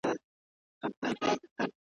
د تاریخي حافظې ژغورونکی